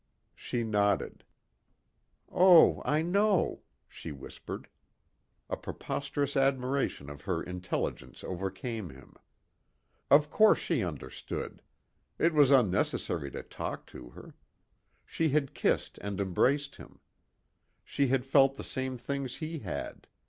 She nodded. "Oh, I know," she whispered. A preposterous admiration of her intelligence overcame him. Of course she understood! It was unnecessary to talk to her. She had kissed and embraced him. She had felt the same things he had.